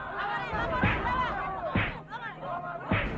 salam semua semua